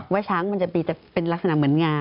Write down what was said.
ว่าช้างมันจะมีแต่เป็นลักษณะเหมือนงา